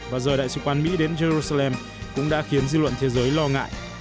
và rời đại sứ quán mỹ đến jerusalem cũng đã khiến dư luận thế giới lo ngại